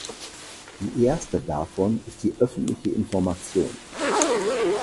Die erste davon ist die öffentliche Information.